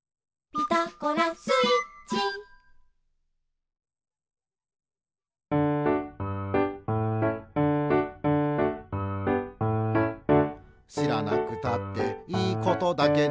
「ピタゴラスイッチ」「しらなくたっていいことだけど」